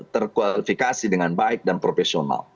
terkualifikasi dengan baik dan profesional